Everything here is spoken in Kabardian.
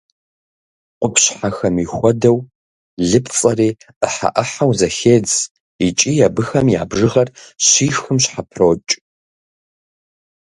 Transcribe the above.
Къупщхьэхэми хуэдэу, лыпцӏэри ӏыхьэ-ӏыхьэу зэхедз, икӏи абыхэм я бжыгъэр щихым щхьэпрокӏ.